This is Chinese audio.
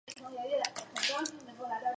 吃碰杠后不能没有牌。